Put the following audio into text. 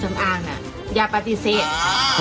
โอ้โห